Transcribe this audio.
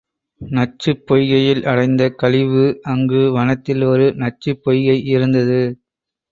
நச்சுப் பொய்கையில் அடைந்த கலிவு அங்கு வனத்தில் ஒரு நச்சுப் பொய்கை இருந்தது.